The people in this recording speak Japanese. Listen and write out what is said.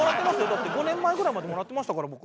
だって５年前ぐらいまでもらってましたから僕。